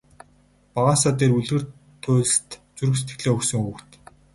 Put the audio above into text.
Багаасаа тэр үлгэр туульст зүрх сэтгэлээ өгсөн хүүхэд.